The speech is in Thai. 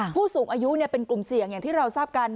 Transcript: ผู้สูงอายุเป็นกลุ่มเสี่ยงอย่างที่เราทราบกัน